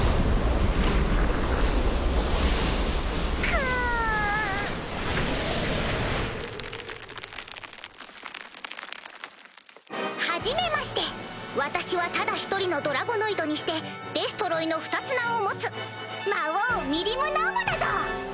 クゥ！はじめまして私はただ１人のドラゴノイドにしてデストロイの２つ名を持つ魔王ミリム・ナーヴァだぞ！